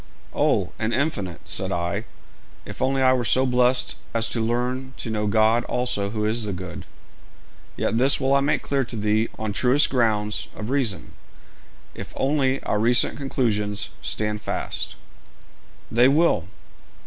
'Oh, an infinite,' said I, 'if only I were so blest as to learn to know God also who is the good.' 'Yet this will I make clear to thee on truest grounds of reason, if only our recent conclusions stand fast.' 'They will.'